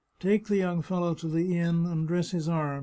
Take the young fellow to the inn and dress his arm.